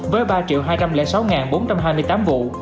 với ba hai trăm linh sáu bốn trăm hai mươi tám vụ